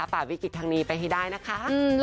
ฝ่าวิกฤตทางนี้ไปให้ได้นะคะ